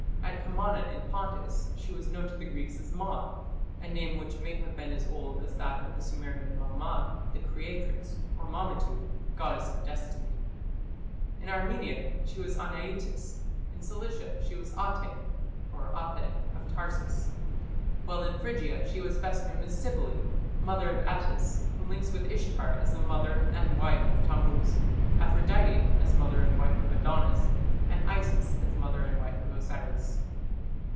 At Comana in Pontus she was known to the Greeks as Ma, a name which may have been as old as that of the Sumerian Mama (the creatrix), or Mamituᵐ (goddess of destiny); in Armenia she was Anaitis; in Cilicia she was Ate ('Atheh of Tarsus); while in Phrygia she was best known as Cybele, mother of Attis, who links with Ishtar as mother and wife of Tammuz, Aphrodite as mother and wife of Adonis, and Isis as mother and wife of Osiris.